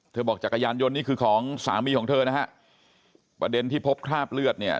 บอกจักรยานยนต์นี่คือของสามีของเธอนะฮะประเด็นที่พบคราบเลือดเนี่ย